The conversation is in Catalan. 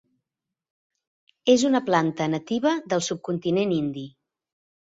És una planta nativa del subcontinent indi.